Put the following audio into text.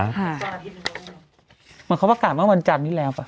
เหมือนเขาบอกการมาวันจันทร์นี้แล้วป่ะ